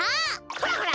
ほらほら